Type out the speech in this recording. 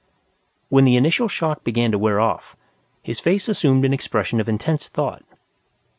When the initial shock began to wear off, his face assumed an expression of intense thought.